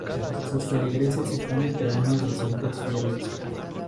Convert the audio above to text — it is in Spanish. Sus feligreses están entre unos doscientos fieles.